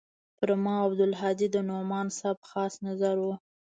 پر ما او عبدالهادي د نعماني صاحب خاص نظر و.